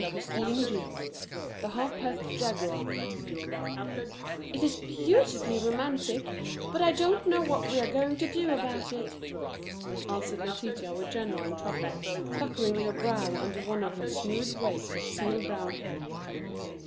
CHAPTER II THE HARPETH JAGUAR "It is beautifully romantic, but I don't know what we are going to do about it," answered Letitia with genuine trouble, puckering her brow under one of her smooth waves of seal brown hair.